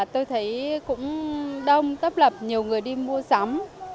tôi thấy cũng đông tấp lập nhiều người đi mua sắm